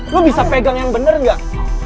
lo bisa pegang yang bener gak